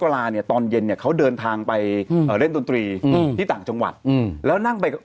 แต่ว่าตอนนี้เขามีอัปเดตใหม่แล้ว